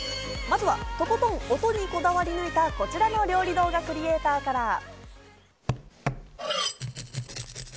まずはとことん音にこだわり抜いたこちらの料理動画クリエーターから。